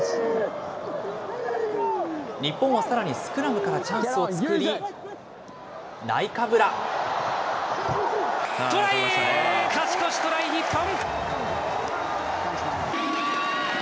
日本はさらにスクラムからチャンスを作り、トライ、勝ち越しトライ、日本。